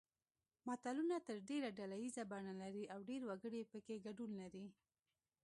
متلونه تر ډېره ډله ییزه بڼه لري او ډېر وګړي پکې ګډون لري